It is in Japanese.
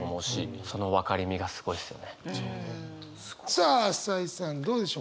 さあ朝井さんどうでしょう？